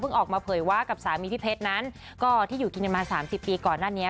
ออกมาเผยว่ากับสามีพี่เพชรนั้นก็ที่อยู่กินกันมา๓๐ปีก่อนหน้านี้